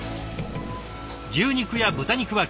牛肉や豚肉は禁止。